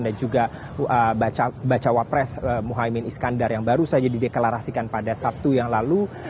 dan juga bacawa pres muhaymin iskandar yang baru saja dideklarasikan pada sabtu yang lalu